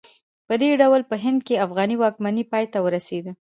په دې ډول په هند کې افغاني واکمنۍ پای ته ورسېده.